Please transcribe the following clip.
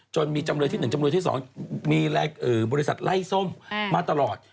มีจำเลยที่๑จำเลยที่๒มีบริษัทไล่ส้มมาตลอด